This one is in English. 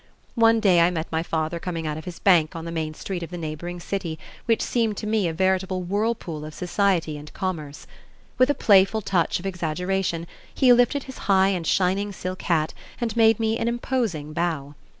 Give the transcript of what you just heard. One day I met my father coming out of his bank on the main street of the neighboring city which seemed to me a veritable whirlpool of society and commerce. With a playful touch of exaggeration, he lifted his high and shining silk hat and made me an imposing bow.